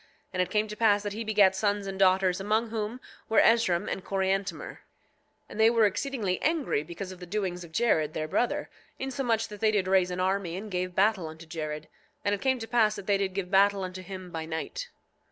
And it came to pass that he begat sons and daughters among whom were Esrom and Coriantumr; 8:5 And they were exceedingly angry because of the doings of Jared their brother, insomuch that they did raise an army and gave battle unto Jared. And it came to pass that they did give battle unto him by night.